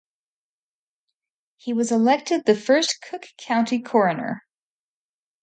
He was elected the first Cook County Coroner.